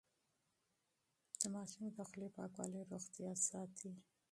د ماشوم د خولې پاکوالی روغتيا ساتي.